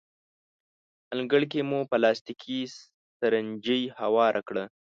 انګړ کې مو پلاستیکي سترنجۍ هواره کړه.